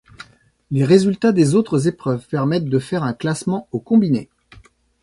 Les résultats des autres épreuves permettent de faire un classement au combiné.